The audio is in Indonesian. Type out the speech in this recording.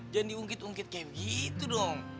jangan diungkit ungkit kayak gitu dong